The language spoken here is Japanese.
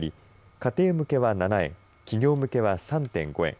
家庭向けは７円企業向けは３．５円